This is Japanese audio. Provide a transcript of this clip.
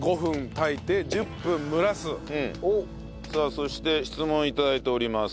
これさあそして質問頂いております。